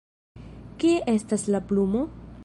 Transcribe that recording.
Kie estas la plumo?